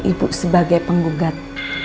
ibu sebagai penggugat